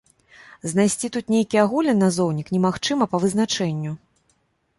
Знайсці тут нейкі агульны назоўнік немагчыма па вызначэнню.